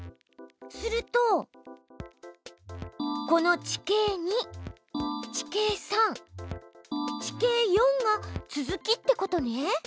するとこの「地形２」「地形３」「地形４」が続きってことね。